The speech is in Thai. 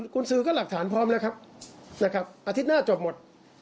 กุญสือก็หลักฐานพร้อมแล้วครับอาทิตย์หน้าจบหมด